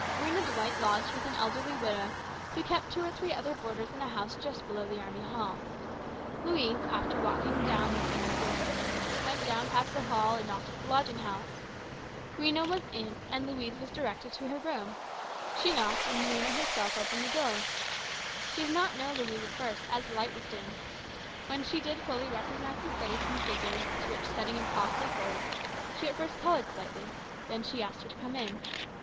Rhena Dwight lodged with an elderly widow who kept two or three other boarders in a house just below the Army Hall. Louise, after walking round the square, went down past the hall and knocked at this lodging house. Rhena was in, and Louise was directed to her room. She knocked, and Rhena herself opened the door. She did not know Louise at first, as the light was dim. When she did fully recognise the face and figure with its rich setting of costly furs, she at first coloured slightly. Then she asked her to come in.